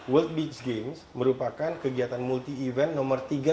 world beach games merupakan kegiatan multi event nomor tiga